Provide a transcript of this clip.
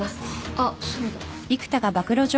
あっそうだ。